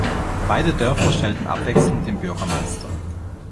Beide Dörfer stellten abwechselnd den Bürgermeister.